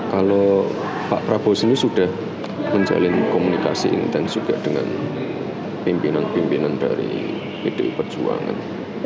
kalau pak prabowo sendiri sudah menjalin komunikasi intens juga dengan pimpinan pimpinan dari pdi perjuangan